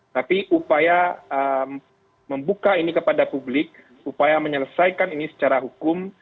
tapi upaya membuka ini kepada publik upaya menyelesaikan ini secara hukum